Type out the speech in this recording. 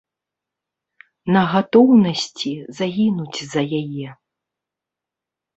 На гатоўнасці загінуць за яе.